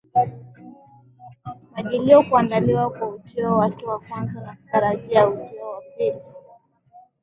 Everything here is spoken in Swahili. Majilio kuandaliwa kwa ujio wake wa kwanza na kutarajia ujio wa pili